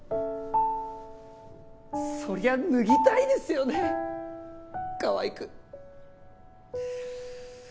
そりゃ脱ぎたいですよねかわいく。